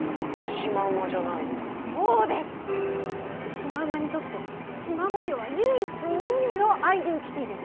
シマウマにとってシマ模様は唯一無二のアイデンティティーです。